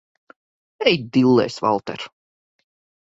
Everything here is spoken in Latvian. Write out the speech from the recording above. Ej dillēs, Valter!